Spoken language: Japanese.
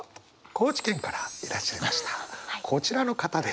高知県からいらっしゃいましたこちらの方です。